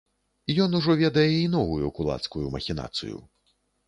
Ён ужо ведае і новую кулацкую махінацыю.